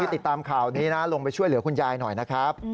ติดตามข่าวนี้นะลงไปช่วยเหลือคุณยายหน่อยนะครับ